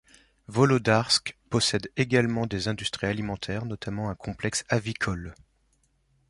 Volodarsk possède également des industries alimentaires, notamment un complexe avicole.